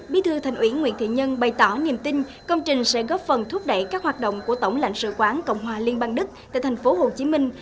bí thư thành ủy nguyễn thiện nhân bày tỏ niềm tin công trình sẽ góp phần thúc đẩy các hoạt động của tổng lãnh sự quán cộng hòa liên bang đức tại thành phố hồ chí minh